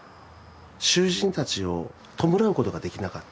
囚人たちを弔うことができなかった。